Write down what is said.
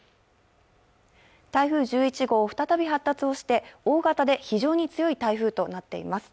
台風１１号再び発達をして、大型で非常に強い台風となっています。